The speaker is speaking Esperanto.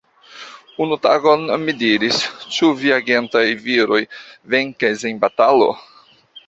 Unu tagon mi diris, Ĉu viagentaj viroj venkas en batalo?